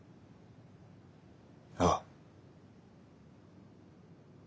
ああ。